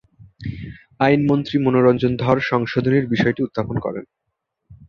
আইনমন্ত্রী মনোরঞ্জন ধর সংশোধনীর বিষয়টি উত্থাপন করেন।